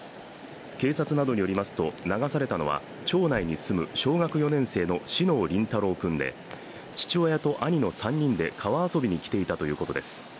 警察などによりますと、流されたのは町内に住む小学４年生の小竹倫太朗君で、父親と兄の３人で川遊びに来ていたということです。